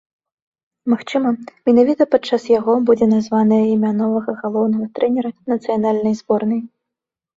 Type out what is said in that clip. Магчыма, менавіта падчас яго будзе названае імя новага галоўнага трэнера нацыянальнай зборнай.